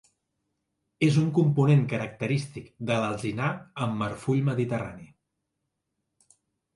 És un component característic de l'alzinar amb marfull mediterrani.